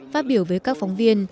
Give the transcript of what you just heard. phát biểu với các phóng viên